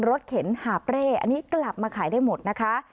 เข็นหาบเร่อันนี้กลับมาขายได้หมดนะคะ